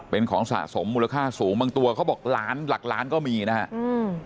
เป็นของสะสมมูลค่าสูงบางตัวเขาบอกล้านหลักล้านก็มีนะฮะอืม